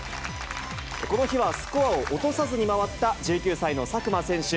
この日はスコアを落とさずに回った１９歳の佐久間選手。